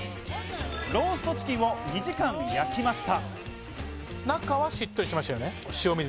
ローストチキンを２時間、焼きました。